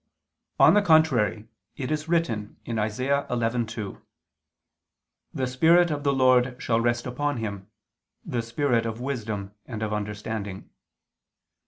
On the contrary, It is written (Isa. 11:2): "The Spirit of the Lord shall rest upon Him; the spirit of wisdom and of understanding."